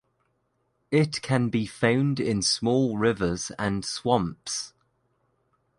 It can be found in small rivers and swamps.